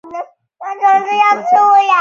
马哈茂德帕夏及其兄弟的祖父是或者。